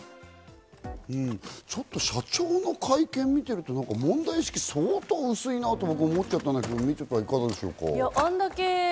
ちょっと社長の会見見てると、問題意識、相当薄いなと思っちゃったんだけど、いかがでしょうか？